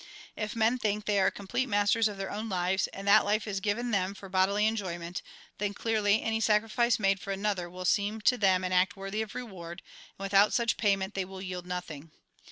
If men think they are complete masters of their own lives, and that life is given them for bodily enjoy ment, then clearly, any sacrifice made for another will seem to them an act worthy of reward, and without such payment they will yield nothing.